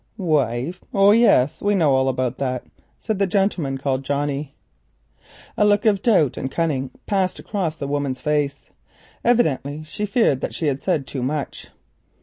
"'Wife!' Oh, yes, we know all about that," said the gentleman called Johnnie. A look of doubt and cunning passed across the woman's face. Evidently she feared that she had said too much.